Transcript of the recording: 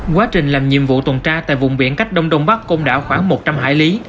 quá trình làm nhiệm vụ tuần tra tại vùng biển cách đông đông bắc công đảo khoảng một trăm linh hải lý